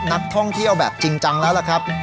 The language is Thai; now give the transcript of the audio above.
นักท่องเที่ยวเปิครับ